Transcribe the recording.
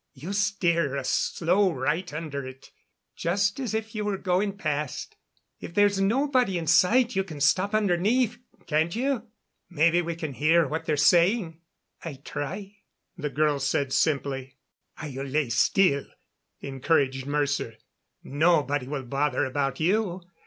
"You steer us slow right under it, just as if you were going past. If there's nobody in sight you can stop underneath, can't you? Maybe we can hear what they're saying." "I try," the girl said simply. "I'll lay still," encouraged Mercer. "Nobody will bother about you.